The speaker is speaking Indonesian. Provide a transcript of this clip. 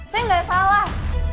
saya enggak salah